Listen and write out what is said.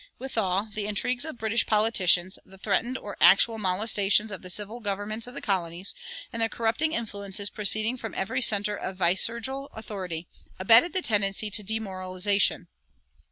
Withal, the intrigues of British politicians, the threatened or actual molestations of the civil governments of the colonies, and the corrupting influences proceeding from every center of viceregal authority, abetted the tendency to demoralization.